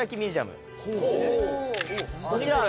こちら。